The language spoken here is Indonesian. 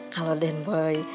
kalau den boy